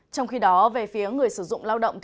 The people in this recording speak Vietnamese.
trong khi đó về phía người sử dụng lao động